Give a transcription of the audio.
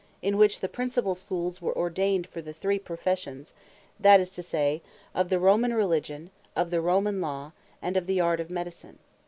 In which, the principal Schools were ordained for the three Professions, that is to say, of the Romane Religion, of the Romane Law, and of the Art of Medicine.